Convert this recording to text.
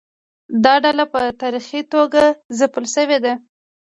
دا ډله په تاریخي توګه ځپل شوې ده.